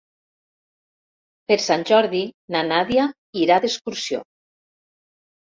Per Sant Jordi na Nàdia irà d'excursió.